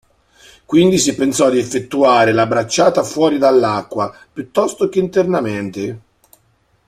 Quindi si pensò di effettuare la bracciata fuori dall'acqua piuttosto che internamente.